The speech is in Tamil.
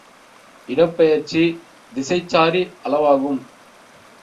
இடப்பெயர்ச்சி திசைச்சாரி அளவாகும்.